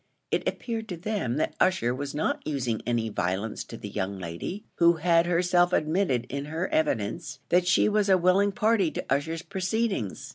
It appeared to them that Ussher was not using any violence to the young lady, who had herself admitted in her evidence, that she was a willing party to Ussher's proceedings.